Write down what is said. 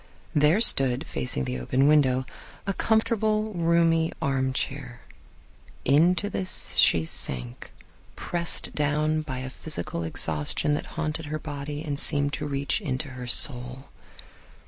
There stood, facing the open window, a comfortable, roomy armchair. Into this she sank, pressed down by a physical exhaustion that haunted her body and seemed to reach into her soul.